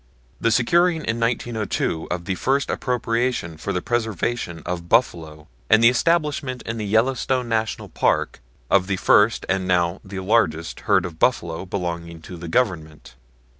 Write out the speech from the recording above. The securing in 1902 of the first appropriation for the preservation of buffalo and the establishment in the Yellowstone National Park of the first and now the largest herd of buffalo belonging to the Government.